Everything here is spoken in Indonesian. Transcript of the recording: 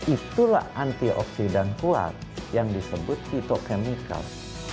itulah antioksidan kuat yang disebut hitochemical